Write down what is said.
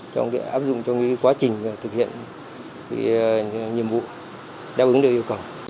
trong cái áp dụng trong cái quá trình thực hiện nhiệm vụ đáp ứng được yêu cầu